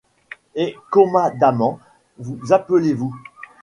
Et comadament vous appelez-vous ?